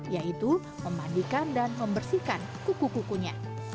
yaitu memandikan dan membersihkan kuku kukunya